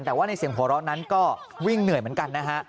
แต่ว่าในเสียงหัวเราะนั้นก็วิ่งเหนื่อยเหมือนกันนะฮะ